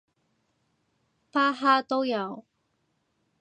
巴哈都有